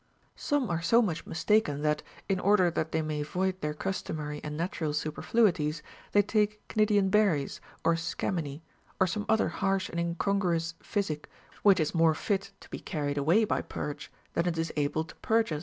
Some are so much mistaken that, in order that they may void their customary and natural superfluities, they take Cnidian berries or scammony, or some other harsh and in congruous physic, which is more fit to be carried away by purge than it is able to purge us.